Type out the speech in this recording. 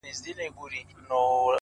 سپیني سپیني مرغلري!!